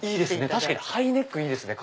確かにハイネックいいですね！